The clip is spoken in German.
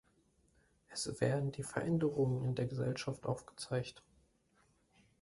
Es werden die Veränderungen in der Gesellschaft aufgezeigt.